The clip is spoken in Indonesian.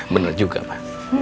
bener juga ma